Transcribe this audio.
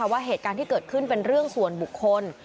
ว่าเหตุการณ์ที่เกิดขึ้นเป็นเรื่องส่วนบุคคล